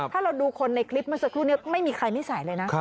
ถ้าเราดูคนในคลิปเมื่อสักครู่นี้ไม่มีใครไม่ใส่เลยนะ